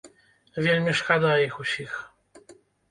Вельмі шкада іх усіх.